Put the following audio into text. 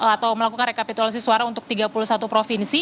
atau melakukan rekapitulasi suara untuk tiga puluh satu provinsi